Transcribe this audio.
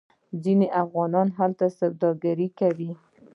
ځینې افغانان هلته سوداګري کوي.